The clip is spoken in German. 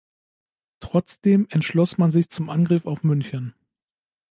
Trotzdem entschloss man sich zum Angriff auf München.